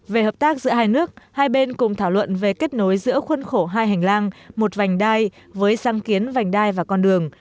về hợp tác giữa hai nước hai bên cùng thảo luận về kết nối giữa khuân khổ hai hành lang một vành đai với sang kiến vành đai và con đường